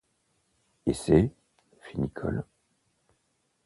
Et c’est ?… fit Nicholl.